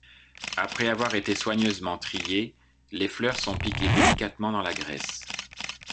Après avoir été soigneusement triées, les fleurs sont piquées délicatement dans la graisse.